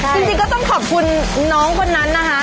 จริงก็ต้องขอบคุณน้องคนนั้นนะคะ